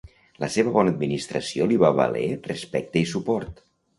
La seva bona administració li va valer respecte i suport.